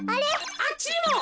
あっちにも！